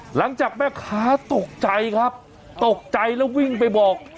หลังจากแม่ค้าตกใจครับตกใจแล้ววิ่งไปบอก